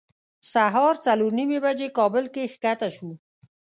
سهار څلور نیمې بجې کابل کې ښکته شوو.